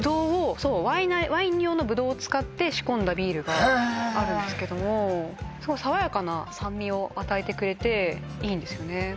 ワイン用のぶどうを使って仕込んだビールがへえーっあるんですけども爽やかな酸味を与えてくれていいんですよね